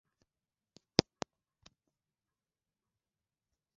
Mkutano wa arobaini na mbili wa Baraza la Mawaziri ulifanyika Arusha, wiki mbili zilizopita.